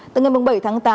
từ ngày bảy tháng tám